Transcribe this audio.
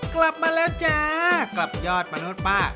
กลับมาแล้วจ้ากลับยอดมนุษย์ป้า